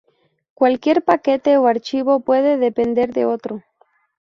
Cualquier paquete o archivo puede depender de otro.